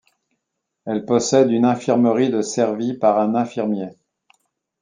Elle possède une infirmerie de servie par un infirmier.